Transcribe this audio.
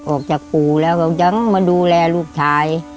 ออกจากปู่แล้วก็ยังมาดูแลลูกชาย